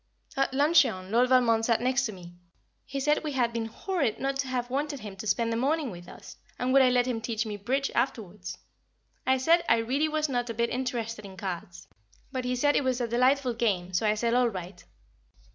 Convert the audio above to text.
At luncheon Lord Valmond sat next to me; he said we had been horrid not to have wanted him to spend the morning with us, and would I let him teach me "Bridge" afterwards? I said I really was not a bit interested in cards, but he said it was a delightful game, so I said All right.